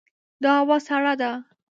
دا هوا سړه ده.